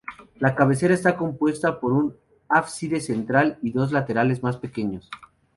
La cabecera está compuesta por un ábside central y dos laterales más pequeños.